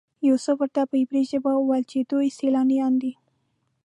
یوسف ورته په عبري ژبه وویل چې دوی سیلانیان دي.